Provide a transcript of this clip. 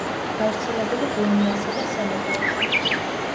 გავრცელებული გვინეასა და სენეგალში.